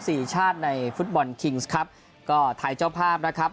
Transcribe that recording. สี่ชาติในฟุตบอลคิงส์ครับก็ไทยเจ้าภาพนะครับ